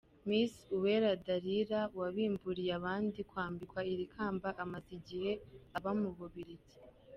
Miss Uwera Dalila wabimburiye abandi kwambikwa iri kamba, amaze igihe aba mu Bubiligi.